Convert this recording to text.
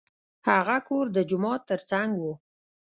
هغه کور د جومات تر څنګ و.